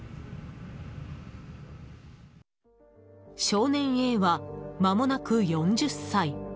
少年Ａは、まもなく４０歳。